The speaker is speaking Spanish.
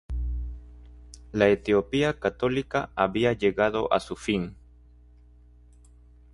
La Etiopía católica había llegado a su fin.